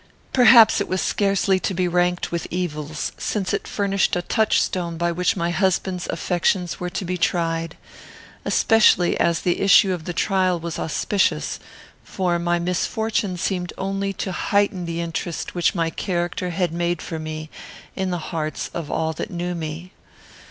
Perhaps it was scarcely to be ranked with evils, since it furnished a touchstone by which my husband's affections were to be tried; especially as the issue of the trial was auspicious; for my misfortune seemed only to heighten the interest which my character had made for me in the hearts of all that knew me.